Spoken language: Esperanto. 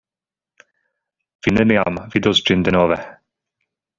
Vi neniam vidos ĝin denove.